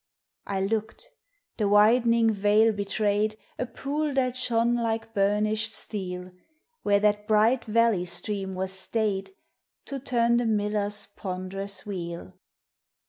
I looked; the widening veil betrayed A pool that shone like burnished steel, Where that bright vallev stream was staved To turn the miller's ponderous wheel.